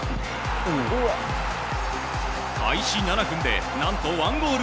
開始７分で１ゴール